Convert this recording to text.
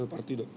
di lantai utanian